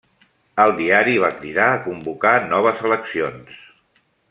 El diari va cridar a convocar noves eleccions.